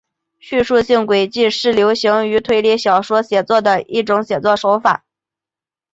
叙述性诡计是流行于推理小说写作的一种写作手法。